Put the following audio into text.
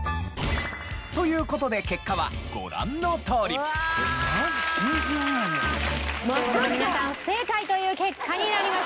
という事で結果はご覧のとおり。という事で皆さん不正解という結果になりました。